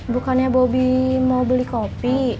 bukannya bobi mau beli kopi